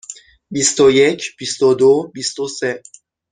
بیست و یک، بیست و دو، بیست و سه.